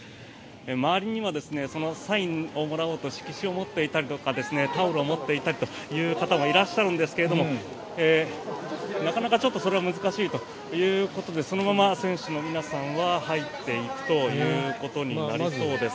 周りにはサインをもらおうと色紙を持っていたりとかタオルを持っていたりという方もいらっしゃるんですがなかなかそれは難しいということでそのまま選手の皆さんは入っていくということになりそうです。